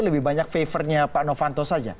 lebih banyak favornya pak novanto saja